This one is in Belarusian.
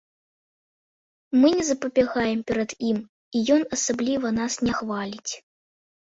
Мы не запабягаем перад ім і ён асабліва нас не хваліць.